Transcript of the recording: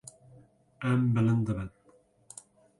Em bilind dibin.